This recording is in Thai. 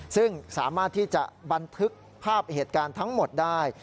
ซึ่งสามารถที่จะบันทึกภาพเหตุการณ์ทั้งหมดได้